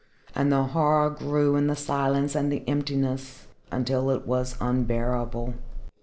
And the horror grew in the silence and the emptiness, until it was unbearable.